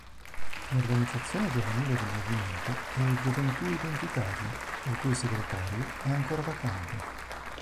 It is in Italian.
L'organizzazione giovanile del movimento è Gioventù Identitaria, il cui segretario è ancora vacante.